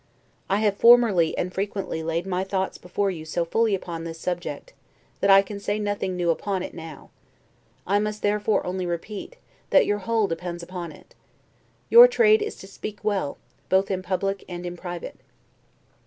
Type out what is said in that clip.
I have formerly and frequently laid my thoughts before you so fully upon this subject, that I can say nothing new upon it now. I must therefore only repeat, that your whole depends upon it. Your trade is to speak well, both in public and in private.